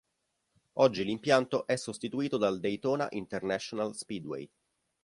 Oggi l'impianto è sostituito dal Daytona International Speedway.